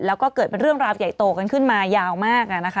แล้วก็เกิดเป็นเรื่องราวใหญ่โตกันขึ้นมายาวมาก